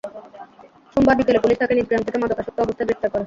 সোমবার বিকেলে পুলিশ তাঁকে নিজ গ্রাম থেকে মাদকাসক্ত অবস্থায় গ্রেপ্তার করে।